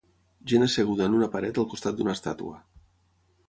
Gent asseguda en una paret al costat d'una estàtua.